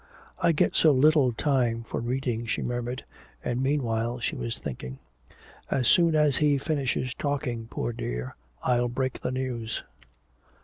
"I get so little time for reading," she murmured. And meanwhile she was thinking, "As soon as he finishes talking, poor dear, I'll break the news."